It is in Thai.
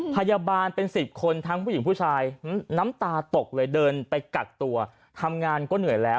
พยาบาลเป็น๑๐คนทั้งผู้หญิงผู้ชายน้ำตาตกเลยเดินไปกักตัวทำงานก็เหนื่อยแล้ว